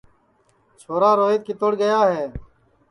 چھورا روہیت کِتوڑ گیا ہے